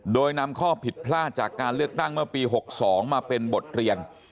โดยนำข้อผิดพลาดจากการเลือกตั้งเมื่อปี๖๒มาเป็นบทเรียน